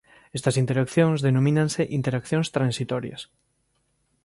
Estas interaccións denomínanse interaccións transitorias.